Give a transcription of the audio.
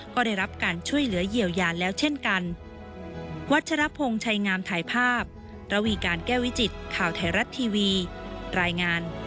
ก็ได้รับการช่วยเหลือเยียวยาแล้วเช่นกัน